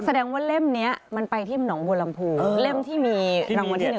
แสดงว่าเล่มนี้มันไปที่หนองบัวลำพูเล่มที่มีรางวัลที่๑